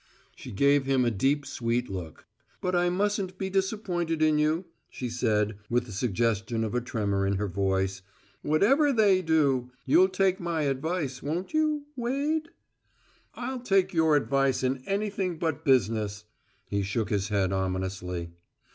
She gave him a deep, sweet look. "But I mustn't be disappointed in you," she said, with the suggestion of a tremor in her voice, "whatever they do! You'll take my advice, won't you Wade?" "I'll take your advice in anything but business." He shook his head ominously.